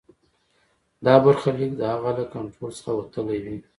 دا برخلیک د هغه له کنټرول څخه وتلی وي.